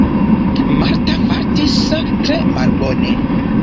Marta fartis tre malbone.